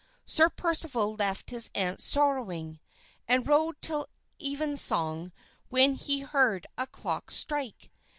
Sir Percival left his aunt sorrowing, and rode till evensong when he heard a clock strike.